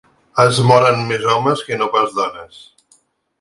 Es moren més homes que no pas dones.